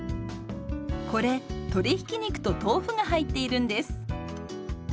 これ鶏ひき肉と豆腐が入っているんです。